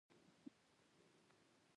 دویمه لاره د پدیده پوهنې میتود کارول دي.